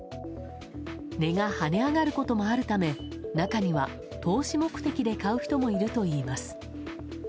値が跳ね上がることもあるため中には、投資目的で買う人もいるといいます。